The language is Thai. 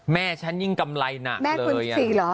แม่ฉันยิ่งกำไรหนักได้เลย